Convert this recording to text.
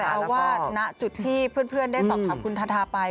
เอาว่าณจุดที่เพื่อนได้สอบถามคุณทาทาไป